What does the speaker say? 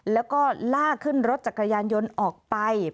แล้วก็ลากขึ้นรถจักรยานยนต์ออกไป